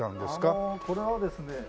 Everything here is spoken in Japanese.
あのこれはですね